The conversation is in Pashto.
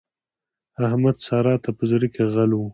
احمد؛ سارا ته په زړ کې غل وو.